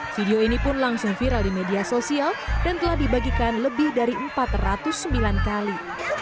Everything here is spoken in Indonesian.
video ini pun langsung viral di media sosial dan telah dibagikan lebih dari empat ratus sembilan kali